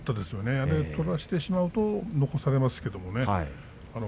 あれを取らせてしまうと残されますよね。